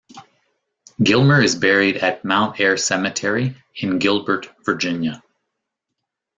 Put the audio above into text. Gilmer is buried at Mount Air Cemetery in Gilbert, Virginia.